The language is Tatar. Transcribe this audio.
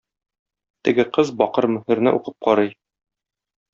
Теге кыз бакыр мөһерне укып карый.